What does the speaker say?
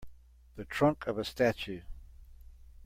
The trunk of a statue.